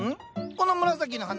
この紫の花？